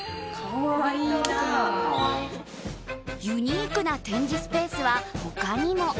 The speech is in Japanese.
ユニークな展示スペースは他にも。